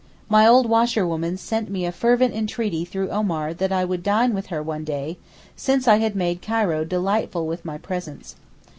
My old washerwoman sent me a fervent entreaty through Omar that I would dine with her one day, since I had made Cairo delightful with my presence.